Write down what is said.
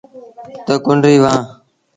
تا ڪنريٚ وهآن۔